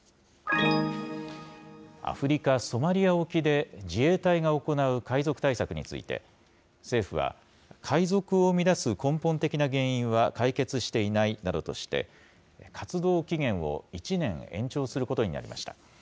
アフリカ・ソマリア沖で自衛隊が行う海賊対策について、政府は海賊を生み出す根本的な原因は解決していないなどとして、活動期限を１年延長することになりました。